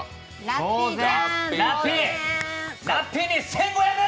ラッピーに１５００！